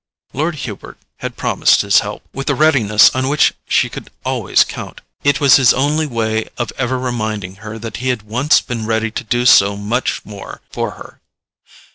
Lord Hubert had promised his help, with the readiness on which she could always count: it was his only way of ever reminding her that he had once been ready to do so much more for her.